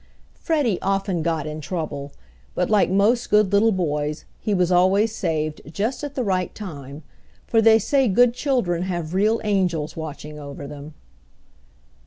Freddie often got in trouble, but like most good little boys he was always saved just at the right time, for they say good children have real angels watching over them.